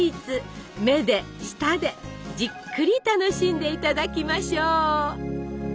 目で舌でじっくり楽しんでいただきましょう！